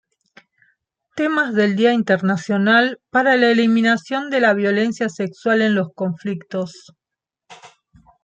Temas del Día Internacional para la Eliminación de la Violencia Sexual en los Conflictos